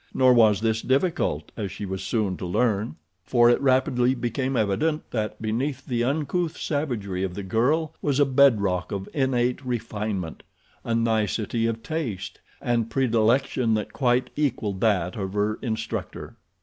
Nor was this difficult, as she was soon to learn, for it rapidly became evident that beneath the uncouth savagery of the girl was a bed rock of innate refinement—a nicety of taste and predilection that quite equaled that of her instructor.